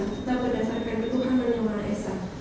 kita berdasarkan kekuatan tuhan yang maha esa